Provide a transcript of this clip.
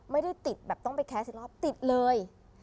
ไม่ได้ติดแบบต้องไปแคสอีกรอบติดเลย